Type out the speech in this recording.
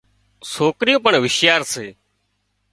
سوڪريو پڻ هوشيارا سي